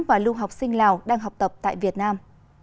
và lưu học sinh lào đang học tập tại việt nam